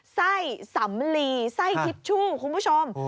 ไส้สำลีไส้ทิชชู่คุณผู้ชม